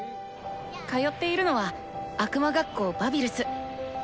通っているのは悪魔学校バビルス。